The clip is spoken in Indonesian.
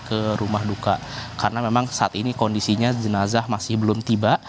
ke rumah duka karena memang saat ini kondisinya jenazah masih belum tiba